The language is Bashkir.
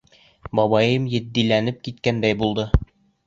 Бабайым етдиләнеп киткәндәй булды.